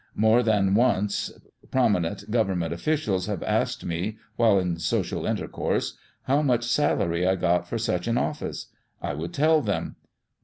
More than once prominent government officials have asked me, while in social intercourse, how much salary I got for such an office. I would tell them.